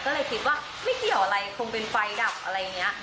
ก็เลยคิดว่าไม่เกี่ยวอะไรคงเป็นไฟดับอะไรอย่างนี้